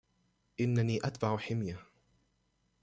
إنني أتبع حمية.